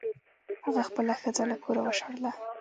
هغه خپله ښځه له کوره وشړله.